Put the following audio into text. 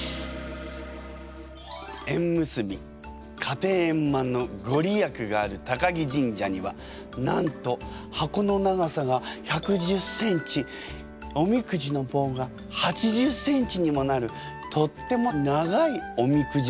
家庭円満の御利益がある高城神社にはなんと箱の長さが１１０ｃｍおみくじの棒が８０ｃｍにもなるとっても長いおみくじがあるの。